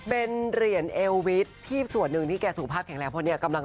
เป็นเหรียญเอลวิทย์ที่ส่วนหนึ่งที่แกสุขภาพแข็งแรงเพราะเนี่ยกำลัง